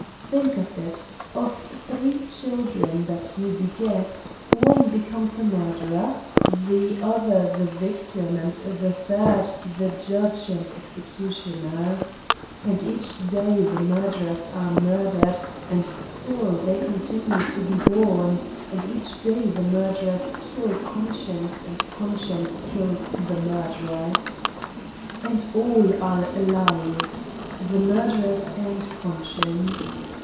Think of it: of three children that you beget, one becomes a murderer, the other the victim and the third, the judge and executioner. And each day the murderers are murdered and still they continue to be born ; and each day the murderers kill conscience and conscience kills the murderers. And all are alive: the murderers and conscience.